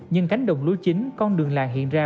nhưng cánh đồng lúa chính con đường làng hiện ra